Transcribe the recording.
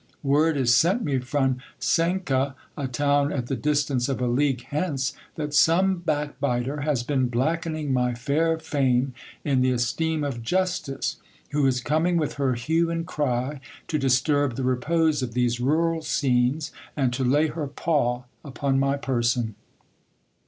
| Word is sent me from Cuenca, a town at the distance of a league hence, that tome backbiter has been blackening my fair fame in the esteem of justice ; who is coming with her hue and cry to disturb the repose of these rural scenes, and to lay her paw upon my person.